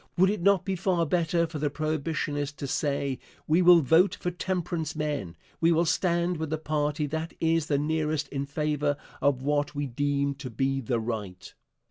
Would it not be far better for the Prohibitionists to say: "We will vote for temperance men; we will stand with the party that is the nearest in favor of what we deem to be the right"?